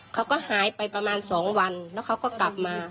เขาก็หายไปประมาณ๒วันแล้วเขาก็กลับมา